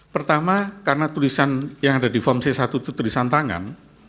pertama karena tulisan yang ada di form c satu itu tulisan tangan